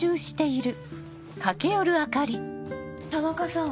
田中さん。